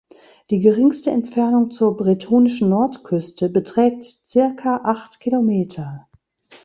Die geringste Entfernung zur bretonischen Nordküste beträgt circa acht Kilometer.